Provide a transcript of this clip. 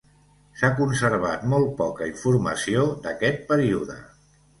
S'ha conservat molt poca informació d'aquest període.